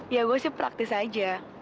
ya gue sih praktis aja